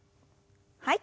はい。